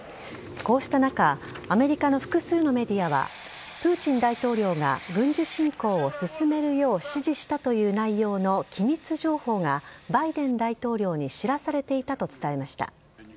こうした中、アメリカの複数のメディアは、プーチン大統領が軍事侵攻を進めるよう指示したという内容の機密情報がバイデン大統領に知らされていたと伝えました。